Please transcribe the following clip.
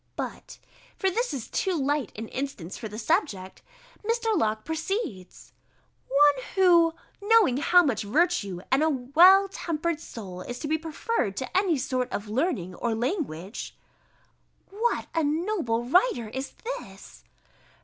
But (for this is too light an instance for the subject) Mr. Locke proceeds "One who knowing how much virtue and a well tempered soul is to be preferred to any sort of learning or language," [_What a noble writer is this!